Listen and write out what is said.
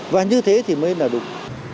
và như thế thì mới là đúng